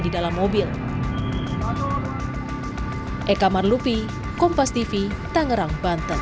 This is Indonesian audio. di dalam mobil e kamar lupi kompas tv tangerang banten